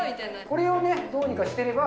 これをね、どうにかしてれば。